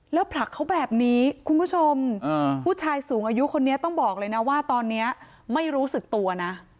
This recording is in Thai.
แล้วผลักเขาแบบนี้คุณผู้ชมผู้ชายสูงอายุคนนี้ต้องบอกเลยนะว่าตอนนี้ไม่รู้สึกตัวนะ